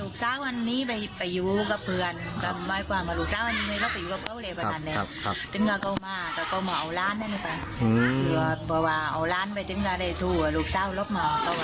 เค้าบอกว่าเค้ามาแม่วะแม่ให้ไฟไหม